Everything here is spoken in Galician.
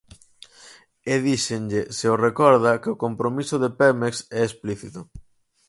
E díxenlle, se o recorda, que o compromiso de Pemex é explícito.